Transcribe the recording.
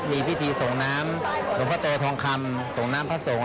มีพิธีส่งน้ำหลวงพ่อแตทองคำส่งน้ำพระสงฆ